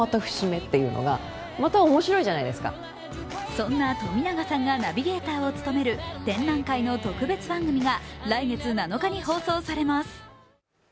そんな冨永さんがナビゲーターを務める展覧会の特別番組が来月７日に放送されます。